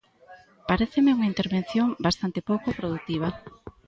Paréceme unha intervención bastante pouco produtiva.